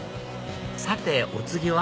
さてお次は？